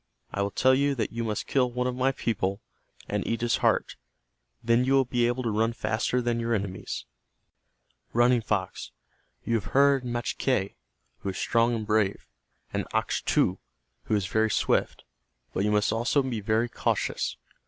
I will tell you that you must kill one of my people, and eat his heart. Then you will be able to run faster than your enemies." "Running Fox, you have heard Machque, who is strong and brave, and Achtu, who is very swift, but you must also be very cautious.